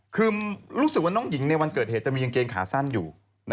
คือรู้สึกว่าน้องหญิงในวันเกิดเหตุจะมีกางเกงขาสั้นอยู่